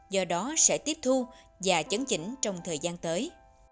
do đó sẽ tiếp thu và chấn chỉnh trong thời gian tới